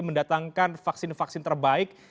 mendatangkan vaksin vaksin terbaik